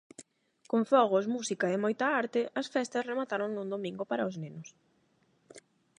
Con fogos, música e moita arte, as festas remataron nun domingo para os nenos.